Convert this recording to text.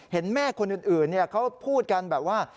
เห็นแม่คนอื่นเขาพูดกันแบบว่า